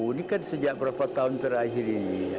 ini kan sejak berapa tahun terakhir ini